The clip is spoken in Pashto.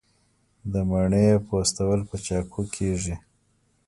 د مڼې پوستول په چاقو کیږي.